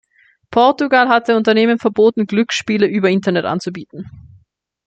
Portugal hatte Unternehmen verboten, Glücksspiele über Internet anzubieten.